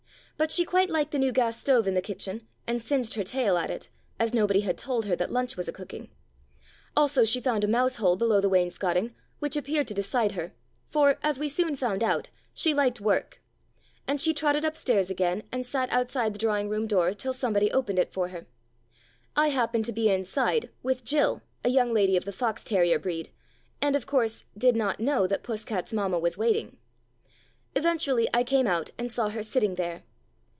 But she quite liked the new gas stove in the kitchen, and singed her tail at it, as nobody had told her that lunch was a cooking. Also she found a mouse hole below the wainscoting, which appeared to decide her (for, as we soon found out, she liked work), and she trotted upstairs again and sat outside the drawing room door till somebody opened it for her. I happened to be inside, with Jill, a young lady of the fox terrier breed, and, of course, did not know that Puss cat's mamma was waiting. Eventually I came out and saw her sitting there.